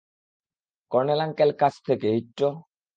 Colonel uncle কাছ থেকে, হিট্টো।